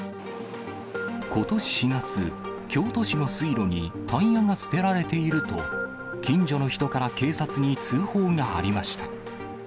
ことし４月、京都市の水路にタイヤが捨てられていると、近所の人から警察に通報がありました。